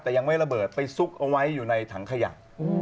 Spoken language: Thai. แต่ยังไม่ระเบิดไปซุกเอาไว้อยู่ในถังขยะ